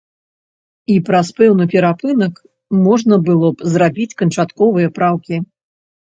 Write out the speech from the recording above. І праз пэўны перапынак можна было б зрабіць канчатковыя праўкі.